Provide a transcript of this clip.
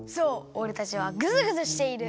おれたちはグズグズしている。